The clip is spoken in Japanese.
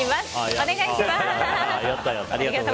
お願いします。